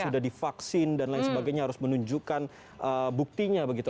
sudah divaksin dan lain sebagainya harus menunjukkan buktinya begitu